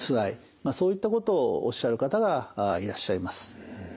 そういったことをおっしゃる方がいらっしゃいます。